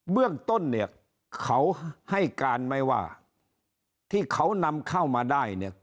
เรื่องต้นเนี่ยเขาให้การไหมว่าที่เขานำเข้ามาได้เนี่ย